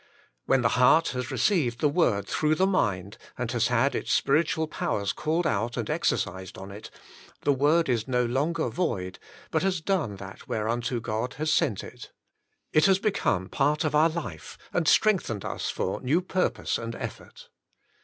When the heart has received the Word through the mind, and has had its spiritual powers called out and exercised on it, the Word is no longer void, but has done that whereunto God has sent it. It has become part of our life, and strengthened us for new purpose and effort.